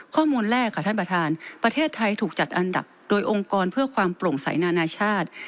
ข้อมูลแรกค่ะท่านประธานประเทศไทยถูกจัดอันดับโดยองค์กรเพื่อความโปร่งใสนานาชาติ